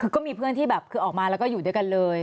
ก็มีเพื่อนที่แบบคือออกมาแล้วก็อยู่ด้วยกันเลย